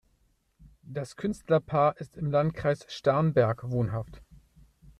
Das Künstlerpaar ist im Landkreis Starnberg wohnhaft.